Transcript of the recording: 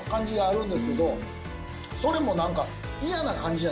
それも何か。